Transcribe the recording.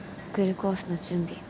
グルコースの準備。